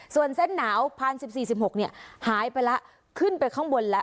ส่วนเส้นหนาวพันสิบสี่สิบหกเนี่ยหายไปแล้วขึ้นไปข้างบนแล้ว